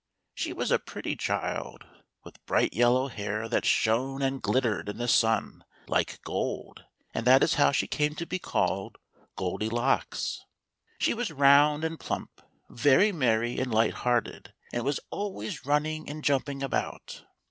She was a pretty child, with bright yellow hair that shone and glittered in the sun like gold, and that is how she came to be called Goldilocks. She was round and plump, very merry and light hearted, and was always running and jumping about.